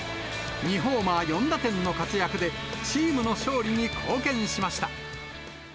２ホーマー４打点の活躍で、チームの勝利に貢献しました。